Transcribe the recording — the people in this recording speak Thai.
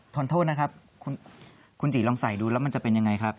โทษนะครับคุณจิลองใส่ดูแล้วมันจะเป็นยังไงครับ